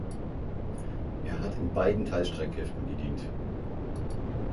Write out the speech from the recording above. Er hat in beiden Teilstreitkräften gedient.